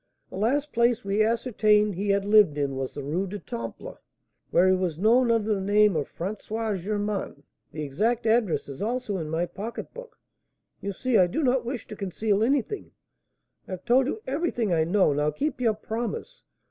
The last place we ascertained he had lived in was the Rue du Temple, where he was known under the name of François Germain; the exact address is also in my pocketbook. You see I do not wish to conceal anything, I have told you everything I know. Now keep your promise.